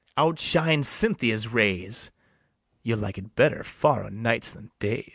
Outshines Cynthia's rays: You'll like it better far o' nights than days.